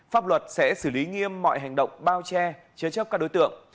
pháp luật sẽ xử lý nghiêm mọi hành động bao che chế chấp các đối tượng